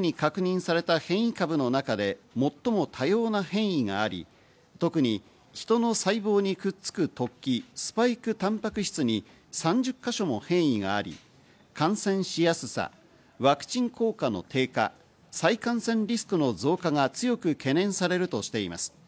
感染研によりますと、オミクロン株はこれまでに確認された変異株の中で最も多様な変異があり、特にヒトの細胞にくっつく突起、スパイクタンパク質に３０か所も変異があり、感染しやすさ、ワクチン効果の低下、再感染リスクの増加が強く懸念されるとしています。